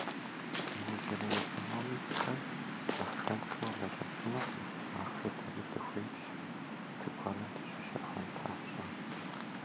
Иужьрей экономикэр ахъшэншэу лэжьэфынукъым, ахъшэ дэри дыхуейщ, тыкуэным дыщыщэхуэн папщӏэ.